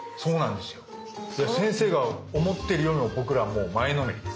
で先生が思ってるよりも僕らもう前のめりです。